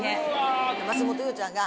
松本伊代ちゃんが。